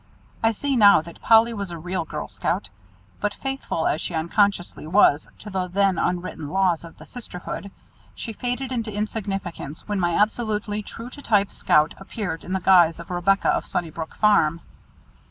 I see now that "Polly" was a real girl scout, but faithful as she unconsciously was to the then unwritten laws of the sisterhood, she faded into insignificance when my absolutely true to type Scout appeared in the guise of Rebecca of Sunnybrook Farm.